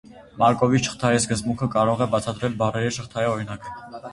Մարկովի շղթայի սկզբունքը կարող է բացատրել բառերի շղթայի օրինակը։